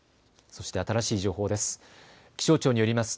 そして新しい情報です。